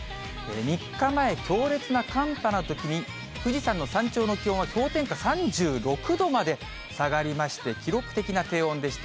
３日前、強烈な寒波のときに、富士山の山頂の気温は氷点下３６度まで下がりまして、記録的な低温でした。